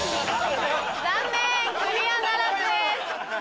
残念クリアならずです。